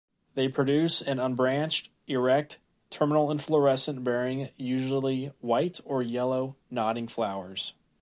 They produce an unbranched, erect, terminal inflorescence bearing usually white or yellow, nodding flowers.